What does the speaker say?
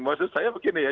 maksud saya begini ya